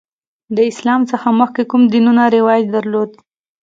د اسلام څخه مخکې کوم دینونه رواج درلود؟